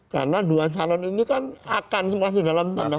karena dua calon ini kan akan masih dalam tanah